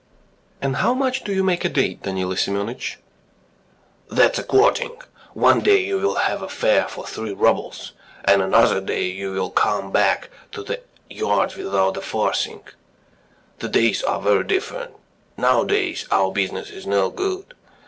"And how much do you make a day, Danilo Semyonitch?" "That's according. One day you will have a fare for three roubles, and another day you will come back to the yard without a farthing. The days are very different. Nowadays our business is no good.